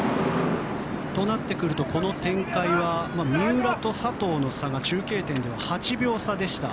となってくるとこの展開は三浦と佐藤の差が中継点で８秒差でした。